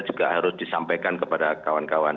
juga harus disampaikan kepada kawan kawan